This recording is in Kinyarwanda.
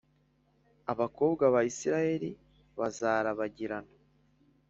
Abakobwa ba Isirayeli bazarabagirana